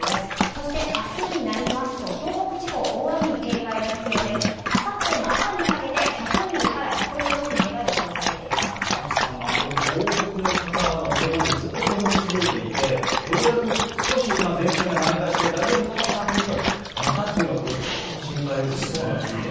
そしてあすになりますと、東北地方、大雨に警戒が必要で、あさっての朝にかけて１００ミリから１５０ミリが予想されていま赤星さん、これ、東北の方、これまでずっと降り続いていて、ようやく少し前線が南下して、大丈夫になったかなと思ったら、またというのはこれ、ちょっと心配ですよね。